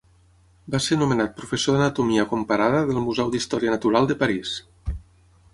Va ser nomenat professor d'anatomia comparada del Museu d'Història Natural de París.